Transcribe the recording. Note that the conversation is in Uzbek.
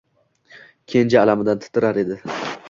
Kenja alamidan titrar edi.